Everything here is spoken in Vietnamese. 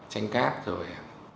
chanh cát rồi